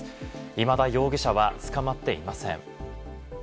いまだ、容疑者は捕まっていません。